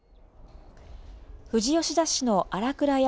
富士吉田市の新倉山